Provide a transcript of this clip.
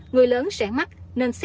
người lớn sẽ có thể tiêm chủng cho trẻ